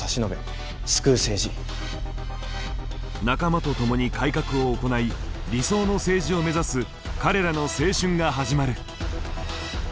仲間と共に改革を行い理想の政治を目指す彼らの青春が始まる。